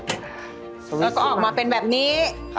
ก็ออกมาเป็นแบบนี้